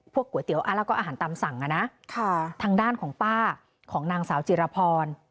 ก๋วยเตี๋ยวแล้วก็อาหารตามสั่งอ่ะนะทางด้านของป้าของนางสาวจิรพร